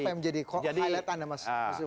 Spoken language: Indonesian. apa yang menjadi highlight an ya mas